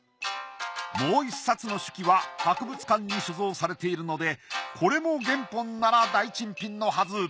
もう１冊の手記は博物館に所蔵されているのでこれも原本なら大珍品のはず。